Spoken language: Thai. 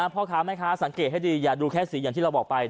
พ่อค้าแม่ค้าสังเกตให้ดีอย่าดูแค่สีอย่างที่เราบอกไป